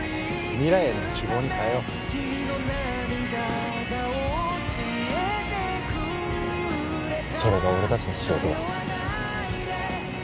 未来への希望に変えようそれが俺達の仕事だ